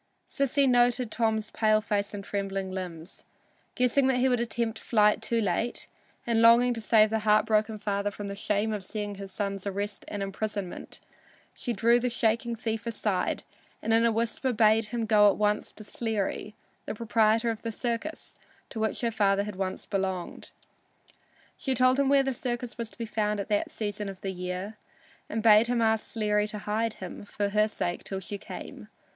Sissy noted Tom's pale face and trembling limbs. Guessing that he would attempt flight too late, and longing to save the heartbroken father from the shame of seeing his son's arrest and imprisonment, she drew the shaking thief aside and in a whisper bade him go at once to Sleary, the proprietor of the circus to which her father had once belonged. She told him where the circus was to be found at that season of the year, and bade him ask Sleary to hide him for her sake till she came.